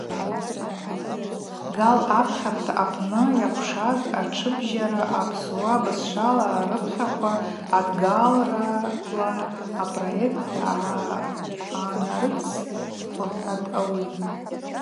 Гал апхьарта апны йакӏвшаз атшыбжьара апсуа бызшвала арыпхьараква адгалрала апроект гӏанарыцӏстӏ, – лхӏватӏ ауи.